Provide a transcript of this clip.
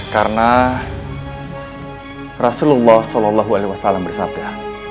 karena rasulullah saw bersabda